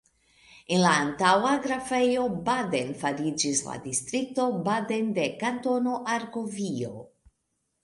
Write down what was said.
El la antaŭa Grafejo Baden fariĝis la distrikto Baden de Kantono Argovio.